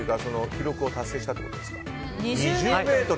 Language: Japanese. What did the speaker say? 記録を達成したっていうことですか。